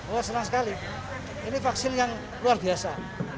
oh senang sekali ini vaksin yang luar biasa